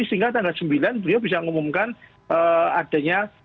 sehingga tanggal sembilan beliau bisa mengumumkan adanya